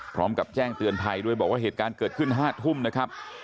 พร้อมกับแจ้งเตือนภัยด้วยบอกว่าเหตุการณ์เกิดขึ้น๕ทุ่มนะครับ